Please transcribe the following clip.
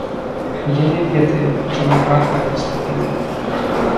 Я не ведаю, чаму брат так паступіў.